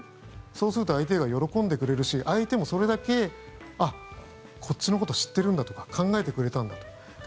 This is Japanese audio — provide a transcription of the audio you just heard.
そうすると相手が喜んでくれるし相手もそれだけこっちのこと知ってるんだとか考えてくれたんだと。